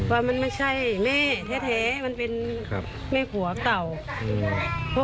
ว่ามันไม่ใช่แม่แท้มันเป็นแม่ขัวต่าว